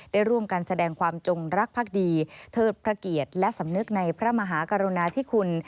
ได้ร่วมกันแสดงความจงรักภักดีเทิดพระเกียรติและสำนึกในพระมหากรุณาธิคุณ